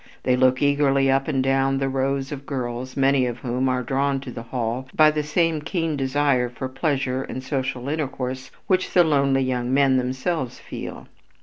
They look eagerly up and down the rows of girls, many of whom are drawn to the hall by the same keen desire for pleasure and social intercourse which the lonely young men themselves feel.